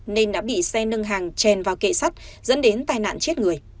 nên đã bị xe nâng hàng chèn vào kệ sắt dẫn đến tai nạn chết người